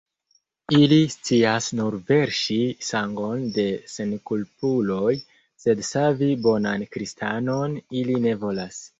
Ili scias nur verŝi sangon de senkulpuloj, sed savi bonan kristanon ili ne volas!